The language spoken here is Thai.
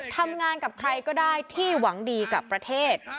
ทำงานกับใครก็ได้ที่หวังดีกับประเทศ